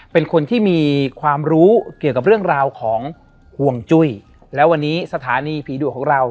เป็นคนที่มีความรู้เกี่ยวกับเรื่องราวของห่วงจุ้ยแล้ววันนี้สถานีผีดุของเรา